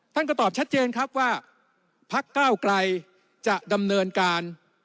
ท่านก็ตอบชัดเจนครับว่าพักก้าวไกลจะดำเนินการ